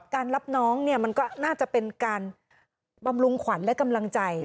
รับน้องเนี่ยมันก็น่าจะเป็นการบำรุงขวัญและกำลังใจ